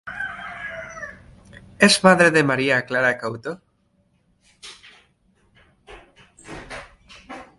Es madre de María Clara Couto.